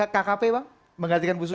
kkp bang menggantikan bu susi